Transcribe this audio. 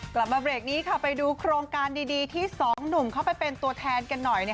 กลับมาเบรกนี้ค่ะไปดูโครงการดีที่สองหนุ่มเข้าไปเป็นตัวแทนกันหน่อย